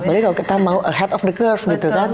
apalagi kalau kita mau ahead of the curve gitu kan